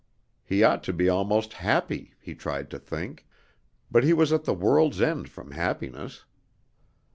He ought to be almost happy, he tried to think; but he was at the world's end from happiness.